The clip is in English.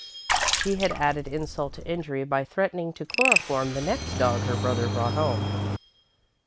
She had added insult to injury by threatening to chloroform the next dog her brother brought home.